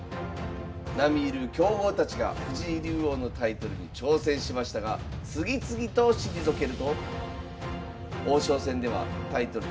並み居る強豪たちが藤井竜王のタイトルに挑戦しましたが次々と退けると王将戦ではタイトル